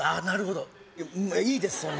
なるほどいいです